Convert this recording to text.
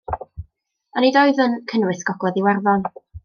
Ond, nid oedd yn cynnwys Gogledd Iwerddon.